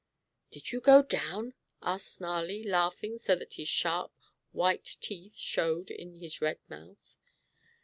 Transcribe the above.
"Did you go down?" asked Snarlie, laughing so that his sharp, white teeth showed in his red mouth.